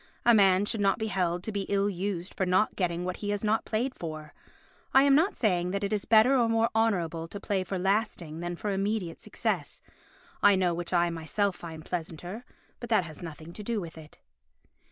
A man should not be held to be ill used for not getting what he has not played for. I am not saying that it is better or more honourable to play for lasting than for immediate success. I know which I myself find pleasanter, but that has nothing to do with it.